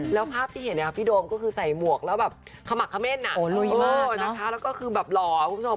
แล้วภาพที่เห็นเนี่ยพี่โดมก็คือใส่หมวกแล้วแบบขมักเขม่นนะคะแล้วก็คือแบบหล่อคุณผู้ชม